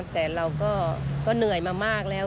แต่เราก็เหนื่อยมามากแล้ว